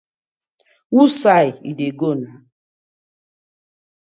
Wusai yu dey go na?